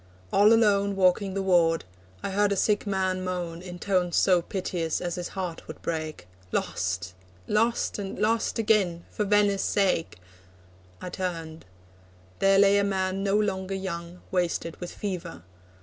All alone Walking the ward, I heard a sick man moan, In tones so piteous, as his heart would break: 'Lost, lost, and lost again for Venice' sake!' I turned. There lay a man no longer young, Wasted with fever.